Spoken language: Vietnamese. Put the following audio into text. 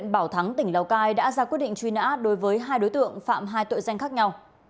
bảo thắng tỉnh lào cai đã ra quyết định truy nã đối với hai đối tượng phạm hai tội danh khác nhau